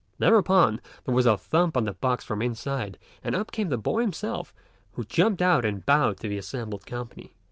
Thereupon, there was a thump on the box from the inside and up came the boy himself, who jumped out and bowed to the assembled company.